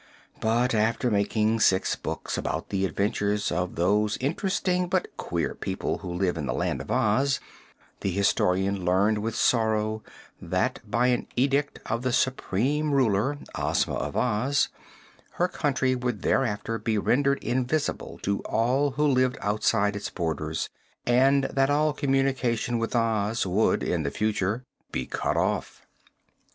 But after making six books about the adventures of those interesting but queer people who live in the Land of Oz, the Historian learned with sorrow that by an edict of the Supreme Ruler, Ozma of Oz, her country would thereafter be rendered invisible to all who lived outside its borders and that all communication with Oz would, in the future, be cut off.